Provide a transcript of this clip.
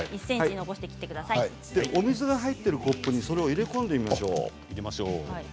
お水が入っているコップにそれを入れ込んでみましょう。